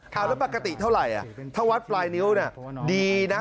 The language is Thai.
เอาแล้วปกติเท่าไหร่ถ้าวัดปลายนิ้วดีนะ